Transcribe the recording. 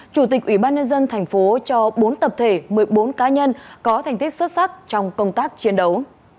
chủ tịch ủy ban nhân dân thành phố cho bốn tập thể một mươi bốn cá nhân có thành tích xuất sắc trong công tác chiến đấu